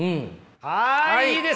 はいいいですよ。